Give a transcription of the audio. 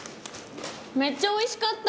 めっちゃおいしかった！